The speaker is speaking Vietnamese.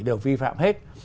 đều vi phạm hết